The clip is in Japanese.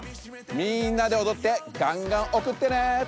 みんなでおどってがんがんおくってね！